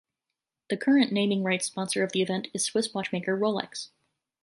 The current naming rights sponsor of the event is Swiss watchmaker Rolex.